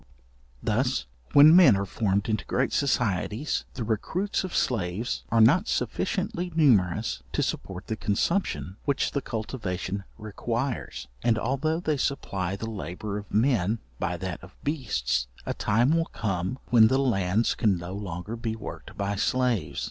Thus when men are formed into great societies, the recruits of slaves are not sufficiently numerous to support the consumption which the cultivation requires. And although they supply the labour of men by that of beasts, a time will come, when the lands can no longer be worked by slaves.